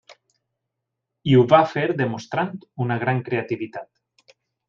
I ho va fer demostrant una gran creativitat.